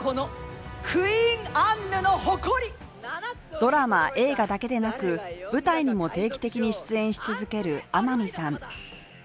ドラマ、映画だけでなく舞台にも定期的に出演し続ける天海さん。